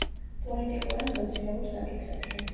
პოლიტიკურ ან სოციალურ საკითხებში.